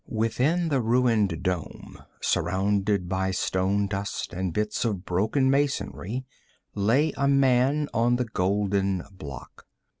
Within the ruined dome, surrounded by stone dust and bits of broken masonry, lay a man on the golden block.